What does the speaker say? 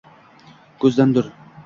ko’zdan dur.